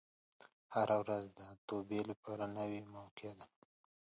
هره ورځ د توبې لپاره نوې موقع ده.